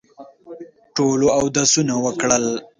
ټولو اودسونه وکړل.